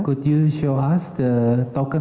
bisa saudara tunjukkan